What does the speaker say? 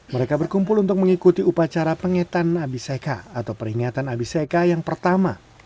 mereka berkumpul untuk mengikuti upacara pengetan abiseka atau peringatan abiseka yang pertama